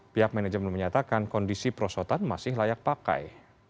pihak manajemen menyatakan kondisi perosotan masih layak pakai